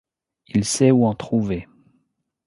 il sait où en trouver.